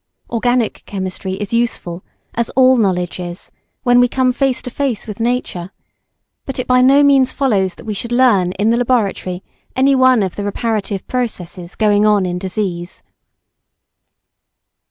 Organic chemistry is useful, as all knowledge is, when we come face to face with nature; but it by no means follows that we should learn in the laboratory any one of the reparative processes going on in disease.